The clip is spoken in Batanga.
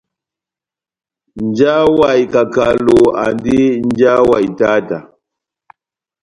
Nja wa ikakalo, andi nja wa itáta.